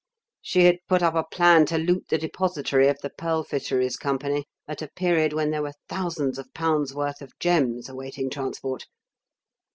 She had put up a plan to loot the depository of the Pearl Fisheries Company at a period when there were thousands of pounds worth of gems awaiting transport.